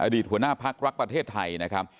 อดีตหัวหน้าปลั๊กรักประเทศไทยนะครับ